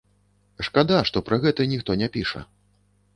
Шкада, што пра гэта ніхто не піша.